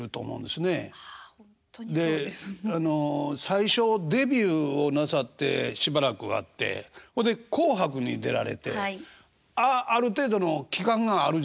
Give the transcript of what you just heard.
最初デビューをなさってしばらくあってほんで「紅白」に出られてある程度の期間があるじゃないですか。ね？